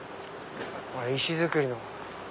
石造りの。